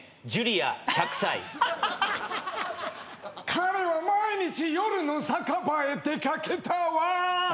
彼は毎日夜の酒場へ出掛けたわ。